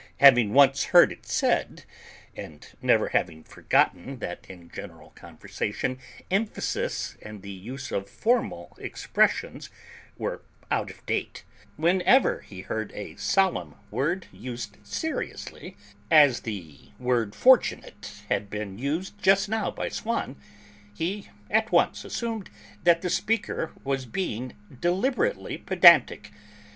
Having once heard it said, and never having forgotten that in general conversation emphasis and the use of formal expressions were out of date, whenever he heard a solemn word used seriously, as the word 'fortunate' had been used just now by Swann, he at once assumed that the speaker was being deliberately pedantic.